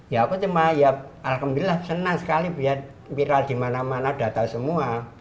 ya aku cuma ya alhamdulillah senang sekali biar viral dimana mana datang semua